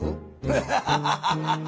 フハハハハハハ！